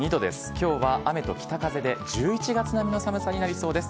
きょうは雨と北風で、１１月並みの寒さになりそうです。